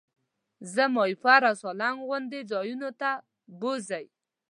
زه ماهیپر او سالنګ غوندې ځایونو ته بوځئ.